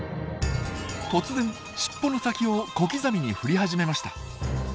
突然しっぽの先を小刻みに振り始めました。